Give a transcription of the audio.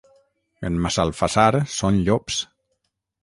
En Massalfassar són llops.